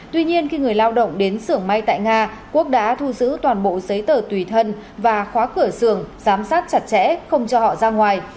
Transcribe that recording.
tuy nhiên khi người lao động đến xưởng may tại nga quốc đã thu giữ toàn bộ giấy tờ tùy thân và khóa cửa xưởng giám sát chặt chẽ không cho họ ra ngoài